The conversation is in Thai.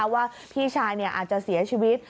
ว่าพี่ชายอาจจะเสียชีวิต